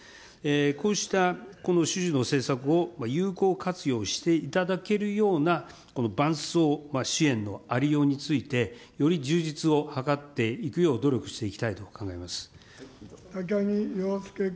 こうしたこの趣旨の政策を有効活用していただけるようなこの伴走支援のありようについて、より充実を図っていくよう努力していき高木陽介君。